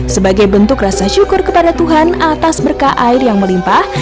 sebagai bentuk rasa syukur kepada tuhan atas berkah air yang melimpah